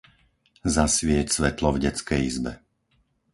Zasvieť svetlo v detskej izbe.